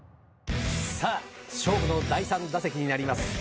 勝負の第３打席になります。